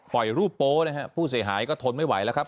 ปล่อยรูปโป๊ะนะครับผู้เสียหายก็ทนไม่ไหวแล้วครับ